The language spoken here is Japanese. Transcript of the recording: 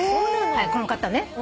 はいこの方ね。